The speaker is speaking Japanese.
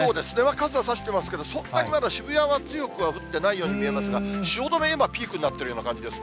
傘差してますけど、そんなにまだ渋谷は強くは降ってないように見えますが、汐留、今、ピークになっているような感じですね。